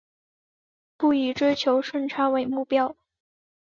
不以追求顺差为目标